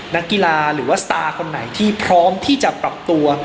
นักกีฬาหรือว่าสตาร์คนไหนที่พร้อมที่จะปรับตัว